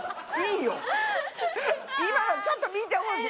今のちょっと見てほしい。